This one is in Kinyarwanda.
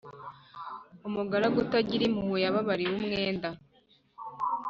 umugaragu utagira impuhwe, yababariwe umwenda